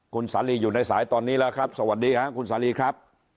คุณสาลีอยู่ในสายตอนนี้แล้วครับสวัสดีครับคุณสาลีครับ